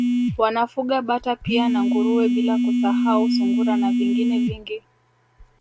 Wanafuga Bata pia na Nguruwe bila kusahau Sungura na vingine vingi